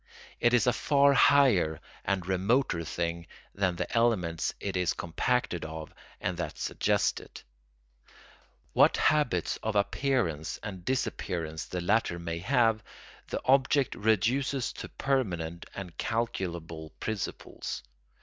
It is a far higher and remoter thing than the elements it is compacted of and that suggest it; what habits of appearance and disappearance the latter may have, the object reduces to permanent and calculable principles.